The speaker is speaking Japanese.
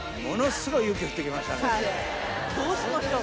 どうしましょう？